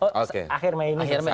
oh akhir mei ini selesai